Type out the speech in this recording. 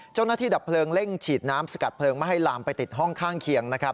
เจ้าหน้าที่ดับเพลิงเร่งฉีดน้ำสกัดเพลิงมาให้ลามไปติดห้องข้างเคียง